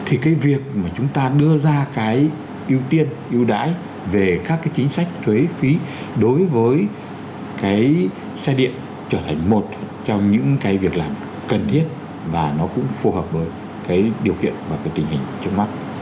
thì cái việc mà chúng ta đưa ra cái ưu tiên ưu đãi về các cái chính sách thuế phí đối với cái xe điện trở thành một trong những cái việc làm cần thiết và nó cũng phù hợp với cái điều kiện và cái tình hình trước mắt